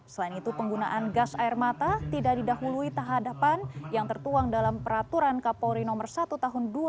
selain itu penggunaan gas air mata tidak didahului tahadapan yang tertuang dalam peraturan kapolri nomor satu tahun dua ribu dua puluh